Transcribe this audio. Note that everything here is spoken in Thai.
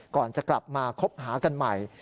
ก่อนจะกลับมาคบหากันใหม่